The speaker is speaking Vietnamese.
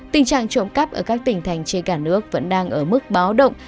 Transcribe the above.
tình trạng trộm cắp ở các tỉnh thành trên cả nước vẫn đang ở mức báo động